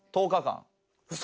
ウソ！